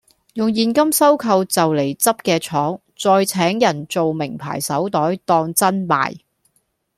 用現金收購就黎執既廠，再請人造名牌手袋當真賣